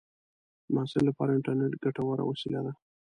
د محصل لپاره انټرنېټ ګټوره وسیله ده.